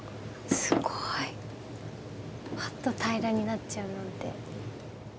すごいぱっと平らになっちゃうなんて。